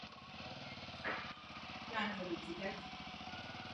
Jejich aktivní bojové nasazení muselo trvalo nejméně tři měsíce.